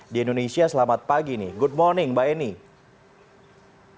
di indonesia selamat pagi nih good morning mbak eni